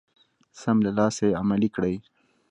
سم له لاسه يې عملي کړئ.